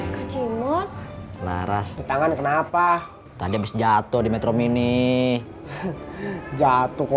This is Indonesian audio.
kacimut laras tangan kenapa tadi habis jatuh di metro mini jatuh